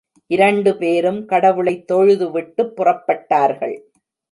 இரண்டு பேரும் கடவுளைத் தொழுதுவிட்டுப் புறப்பட்டார்கள்.